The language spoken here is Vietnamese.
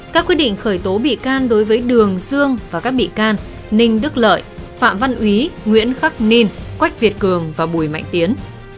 các quyết định khởi tố bị can đối với đường dương và các bị can ninh đức lợi phạm văn úy nguyễn khắc ninh quách việt cường và bùi mạnh tiến